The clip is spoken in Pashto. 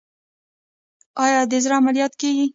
آیا د زړه عملیات کیږي؟